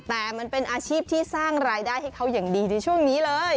แต่มันเป็นอาชีพที่สร้างรายได้ให้เขาอย่างดีในช่วงนี้เลย